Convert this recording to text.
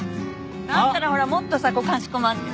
だったらほらもっとさかしこまって。